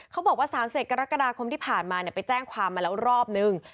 เขาบอกว่า๓๑กรกฎาคมที่ผ่านมาไปแจ้งความมาแล้วรอบนึง